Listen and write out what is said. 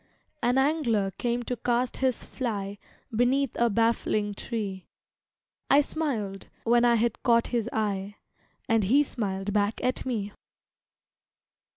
An angler came to cast his fly Beneath a baffling tree. I smiled, when I had caught his eye, And he smiled back at me.